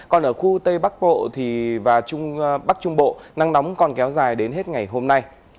còn ở khu tây bắc bộ và trung bắc trung bộ nắng nóng còn kéo dài đến hết ngày hôm nay